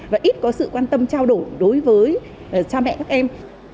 và ít có sự quan tâm trao đổi đối với cha mẹ các em